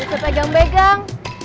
gak usah pegang pegang